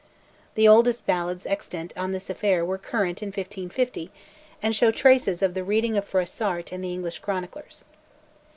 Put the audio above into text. The oldest ballads extant on this affair were current in 1550, and show traces of the reading of Froissart and the English chroniclers.